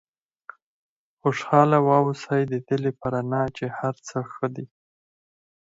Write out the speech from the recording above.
خوشاله واوسئ ددې لپاره نه چې هر څه ښه دي.